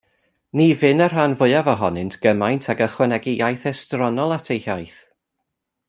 Ni fynn y rhan fwyaf ohonynt gymaint ag ychwanegu iaith estronol at eu hiaith.